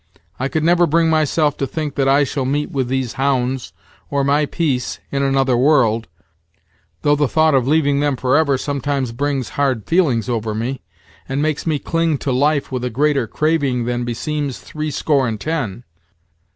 I could never bring myself to think that I shall meet with these hounds, or my piece, in another world; though the thought of leaving them forever sometimes brings hard feelings over me, and makes me cling to life with a greater craving than beseems three Score and ten."